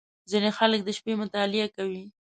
• ځینې خلک د شپې مطالعه کوي.